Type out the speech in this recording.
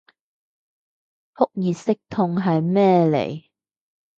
撲熱息痛係咩嚟